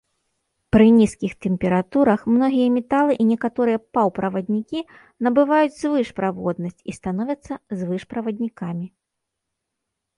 Пры нізкіх тэмпературах многія металы і некаторыя паўправаднікі набываюць звышправоднасць і становяцца звышправаднікамі.